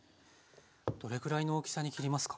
どれぐらいの大きさに切りますか？